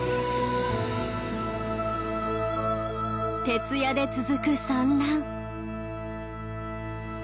徹夜で続く産卵。